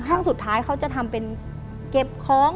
ห้องสุดท้ายเขาจะทำเป็นเก็บของ